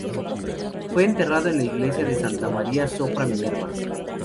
Fue enterrado en la iglesia de Santa Maria sopra Minerva.